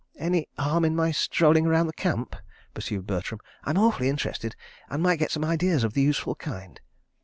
..." "Any harm in my strolling round the Camp?" pursued Bertram. "I'm awfully interested, and might get some ideas of the useful kind."